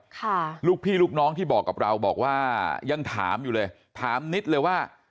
ค่ะลูกพี่ลูกน้องที่บอกกับเราบอกว่ายังถามอยู่เลยถามนิดเลยว่า